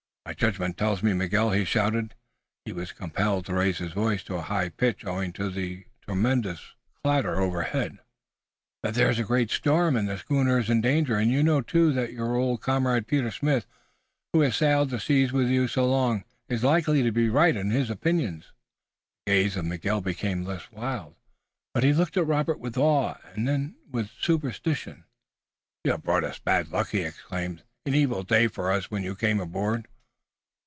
"My judgment tells me, Miguel," he shouted he was compelled to raise his voice to a high pitch owing to the tremendous clatter overhead "that there is a great storm, and the schooner is in danger! And you know, too, that your old comrade, Peter Smith, who has sailed the seas with you so long, is likely to be right in his opinions!" The gaze of Miguel became less wild, but he looked at Robert with awe and then with superstition. "You have brought us bad luck," he exclaimed. "An evil day for us when you came aboard."